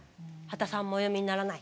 刄田さんもお読みにならない？